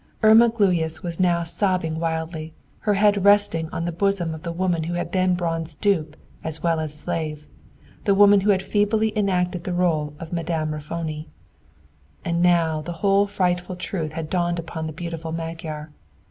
Irma Gluyas was now sobbing wildly, her head resting on the bosom of the woman who had been Braun's dupe as well as slave; the woman who had feebly enacted the role of Madame Raffoni. And now the whole frightful truth had dawned upon the beautiful Magyar.